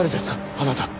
あなた。